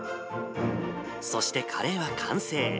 そして、カレーは完成。